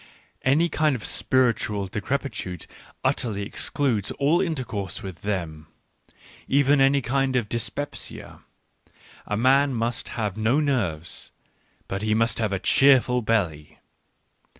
Any kind of spiritual decrepitude utterly excludes all intercourse with them — even any kind of dys pepsia : a man must have no nerves, but he must have a cheerful belly.